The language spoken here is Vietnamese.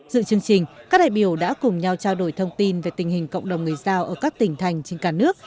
dự chương trình các đại biểu đã cùng nhau trao đổi thông tin về tình hình cộng đồng người giao ở các tỉnh thành trên cả nước